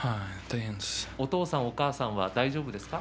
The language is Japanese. お父さんお母さん大丈夫ですか。